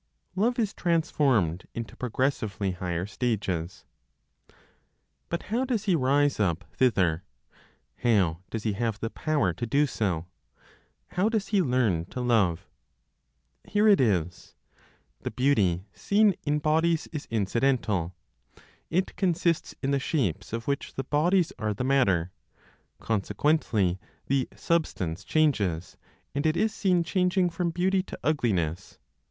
LOVE IS TRANSFORMED INTO PROGRESSIVELY HIGHER STAGES. But how does he rise up thither? How does he have the power to do so? How does he learn to love? Here it is. The beauty seen in bodies is incidental; it consists in the shapes of which the bodies are the matter. Consequently the substance changes, and it is seen changing from beauty to ugliness.